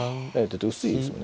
薄いですもんね